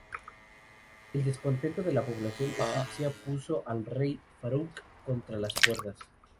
El descontento de la población egipcia puso al rey Farouk contra las cuerdas.